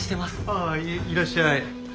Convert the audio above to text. ああいらっしゃい。